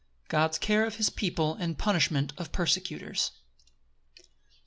God's care of his people and punishment of persecutors.